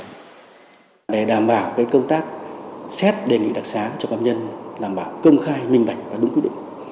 hồ sơ xét đề nghị đặc sá cho các phạm nhân làm bảo công khai minh bạch và đúng quy định